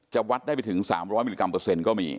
วัดได้ไปถึง๓๐๐มิลลิกรัมเปอร์เซ็นต์ก็มี